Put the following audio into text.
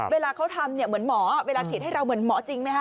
เวลาเขาทำเนี่ยเหมือนหมอเวลาฉีดให้เราเหมือนหมอจริงไหมค